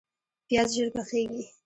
پیاز ژر پخیږي